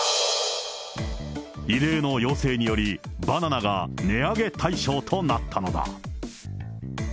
異例の要請により、バナナが値上げ対象となったのだ。